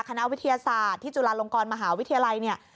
คณะวิทยาศาสตร์ที่จุฬาลงกรมหาวิทยาลัยเนี่ย